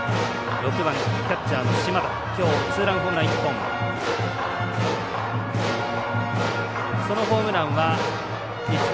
６番キャッチャーの島瀧、きょうツーランホームラン１本。